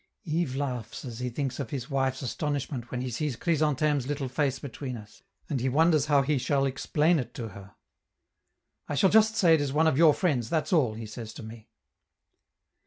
Yves laughs as he thinks of his wife's astonishment when she sees Chrysantheme's little face between us, and he wonders how he shall explain it to her. "I shall just say it is one of your friends, that's all!" he says to me.